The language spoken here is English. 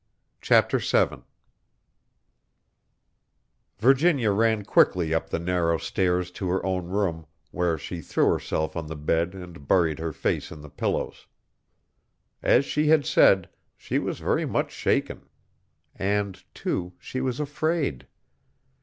Chapter Seven Virginia ran quickly up the narrow stairs to her own room, where she threw herself on the bed and buried her face in the pillows. As she had said, she was very much shaken. And, too, she was afraid.